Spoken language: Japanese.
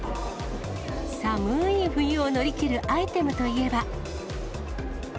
寒い冬を乗り切るアイテムといえば。